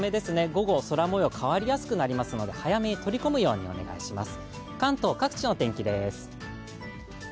午後、空もよう変わりやすくなりますので、早めに取り込むようにお願いします。